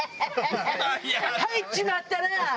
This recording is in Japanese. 入っちまったな！